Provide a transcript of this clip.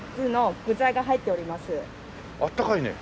あったかいね。